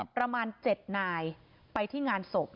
ประมาณ๗นายไปที่งานศพ